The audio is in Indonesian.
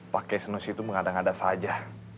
pak kiai senos itu mengadang adang saja